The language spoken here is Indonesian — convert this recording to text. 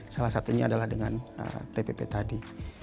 salah satunya adalah dengan tpp tadi